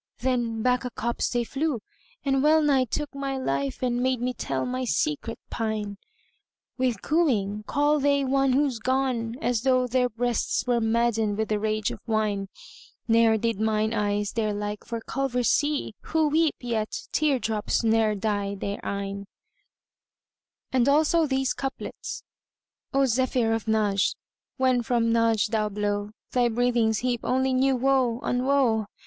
Then back a copse they flew, and well nigh took * My life and made me tell my secret pine. With cooing call they one who's gone, as though * Their breasts were maddened with the rage of wine: Ne'er did mine eyes their like for culvers see * Who weep yet tear drops never dye their eyne. And also these couplets:— O Zephyr of Najd, when from Najd thou blow, * Thy breathings heap only new woe on woe!